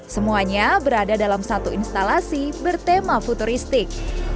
semuanya berada dalam satu instalasi bertema futuristik